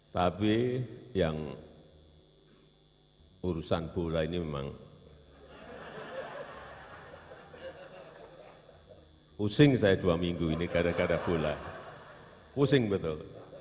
tapi yang urusan bola ini memang pusing saya dua minggu ini gara gara bola pusing betul